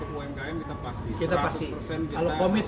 kita pasti kalau komit untuk